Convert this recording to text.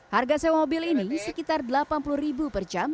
harga sewa mobil ini sekitar rp delapan puluh per jam